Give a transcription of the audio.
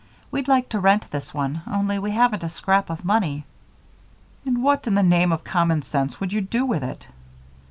We'd like to rent this one, only we haven't a scrap of money." "And what in the name of common sense would you do with it?"